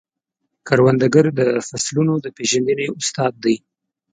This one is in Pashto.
کروندګر د فصلونو د پیژندنې استاد دی